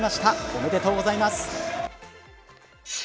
おめでとうございます